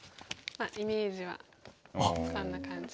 イメージはこんな感じ。